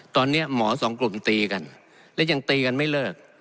ตอนนี้หมอสองกลุ่มตีกันและยังตีกันไม่เลิก